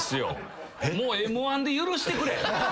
もう『Ｍ−１』で許してくれ。